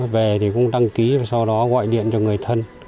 về thì cũng đăng ký và sau đó gọi điện cho người thân